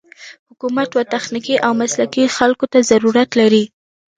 حکومت و تخنيکي او مسلکي خلکو ته ضرورت لري.